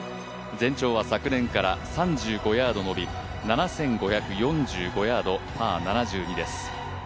全長は昨年から３５ヤード伸び、７５４５ヤード、パー７２です。